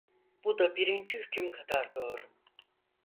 Bu da birinci hüküm kadar doğru.